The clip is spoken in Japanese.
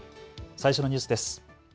最初のニュースです。